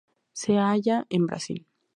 Se halla en Brasil.